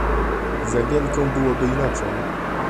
"z Jagienką byłoby inaczej!..."